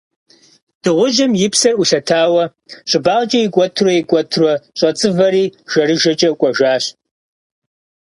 Дыгъужьым и псэр Ӏулъэтауэ, щӀыбагъкӀэ икӀуэтурэ, икӀуэтурэ щӀэцӀывэри жэрыжэкӀэ кӀуэжащ.